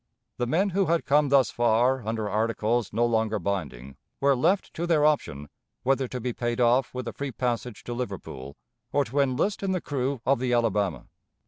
The men who had come thus far under articles no longer binding were left to their option whether to be paid off with a free passage to Liverpool, or to enlist in the crew of the Alabama.